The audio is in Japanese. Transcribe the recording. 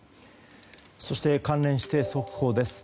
そして、関連して速報です。